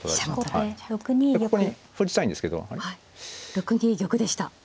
６二玉でした。